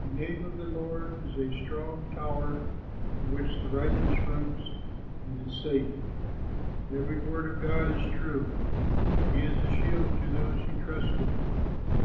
The name of the Lord is a strong tower, To which the righteous runs and is safe. Every word of God is true; He is a shield to those who trust him.